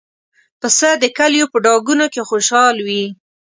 پسه د کلیو په ډاګونو کې خوشحال وي.